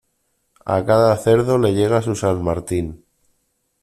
A cada cerdo le llega su San Martín.